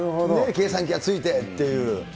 計算機が付いてっていう。